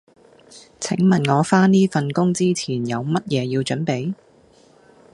請問我返呢份工之前有乜嘢要準備？